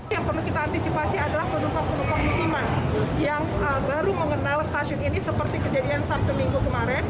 yang perlu kita antisipasi adalah penumpang penumpang musiman yang baru mengenal stasiun ini seperti kejadian sabtu minggu kemarin